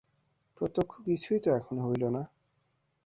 প্রত্যক্ষ কিছুই তো এখনও হইল না।